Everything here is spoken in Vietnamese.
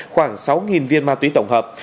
khoảng sáu viên ma túy tổng hợp